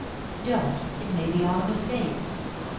" Don't ! It may be all a mistake."